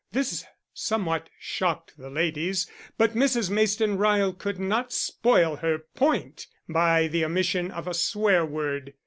(This somewhat shocked the ladies, but Mrs. Mayston Ryle could not spoil her point by the omission of a swear word.)